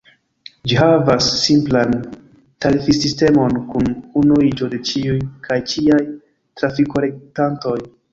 Ĝi havas simplan tarifsistemon kun unuiĝo de ĉiuj kaj ĉiaj trafikofertantoj.